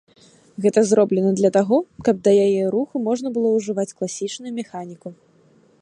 Гэта зроблена для таго, каб да яе руху можна было ўжываць класічную механіку.